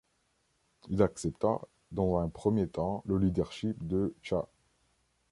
Il accepta dans un premier temps le leadership de Cha.